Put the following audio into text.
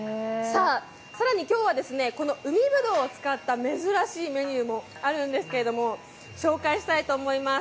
更に今日は、海ぶどうを使った珍しいメニューもあるんですけれども、紹介したいと思います。